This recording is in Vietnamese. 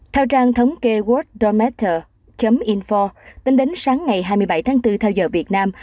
theo trang thống kê world dormitory info tính đến sáng ngày hai mươi bảy tháng bốn theo dõi việt nam